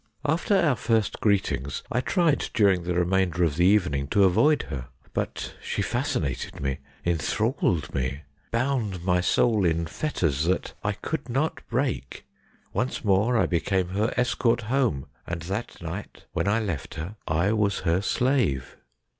After our first greetings, I tried during the remainder of the evening to avoid her ; but she fascinated me, enthralled me, bound my soul in fetters that I could not break. Once more I became her escort home, and that night when I left her I was her slave.